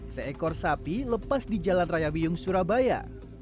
seekor sapi lepas di jalan raya biyung surabaya